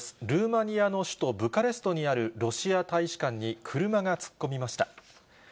ルーマニアの首都ブカレストにあるロシア大使館に車が突っ込みました。